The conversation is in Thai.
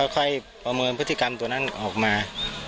ประเมินพฤติกรรมตัวนั้นออกมา